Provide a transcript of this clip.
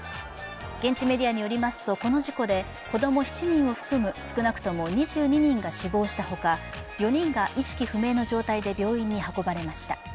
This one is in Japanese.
現地メディアによりますとこの事故で子供７人を含む少なくとも２２人が死亡したほか４人が意識不明の状態で病院に運ばれました。